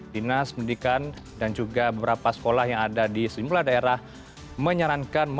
di nas pendidikan dan juga berpengalaman